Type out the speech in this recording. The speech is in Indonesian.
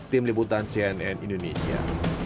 tim liputan cnn indonesia